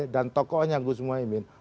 dan tokohnya gus mohimin